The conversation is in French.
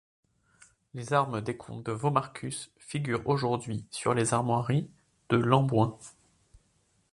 Les armes des comtes de Vaumarcus figurent aujourd'hui sur les armoiries de Lamboing.